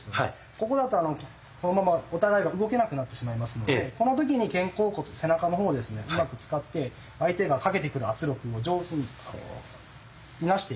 ここだとこのままお互いが動けなくなってしまいますのでこの時に肩甲骨背中の方をですねうまく使って相手がかけてくる圧力を上手にこういなしていく。